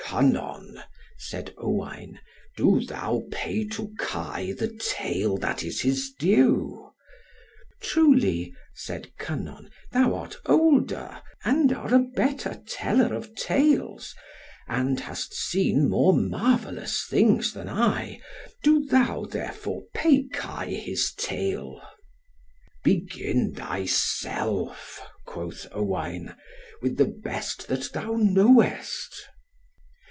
"Kynon," said Owain, "do thou pay to Kai the tale that is his due." "Truly," said Kynon, "thou art older, and are a better teller of tales, and hast seen more marvellous things than I; do thou therefore pay Kai his tale." "Begin thyself," quoth Owain, "with the best that thou knowest."